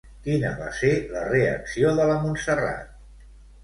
Quina va ser la reacció de la Montserrat?